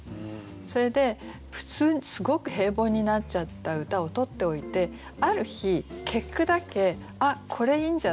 それで普通にすごく平凡になっちゃった歌を取っておいてある日結句だけあっこれいいんじゃない？って